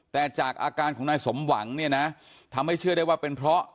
แต่จากอาการของนายสมหวังเนี่ยนะทำให้เชื่อได้ว่าเป็นเพราะ